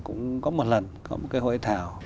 cũng có một lần có một cái hội thảo